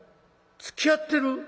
つきあってる？